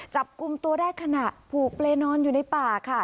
จับกลุ่มตัวได้ขณะผูกเลนอนอยู่ในป่าค่ะ